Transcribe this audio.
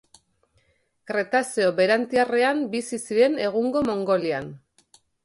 Kretazeo Berantiarrean bizi ziren egungo Mongolian.